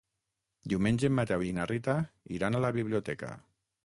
Diumenge en Mateu i na Rita iran a la biblioteca.